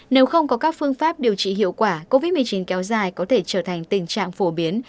nếu không có các phương pháp điều trị hiệu quả covid một mươi chín kéo dài có thể trở thành tình trạng phổ biến